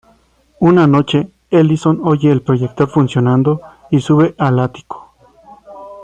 Una noche, Ellison oye el proyector funcionando y sube al ático.